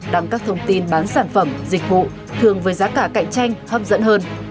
đăng các thông tin bán sản phẩm dịch vụ thường với giá cả cạnh tranh hấp dẫn hơn